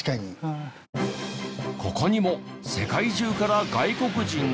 ここにも世界中から外国人が。